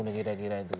gak kira kira itu